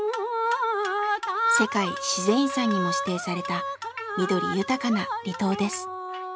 世界自然遺産にも指定された緑豊かな離島です。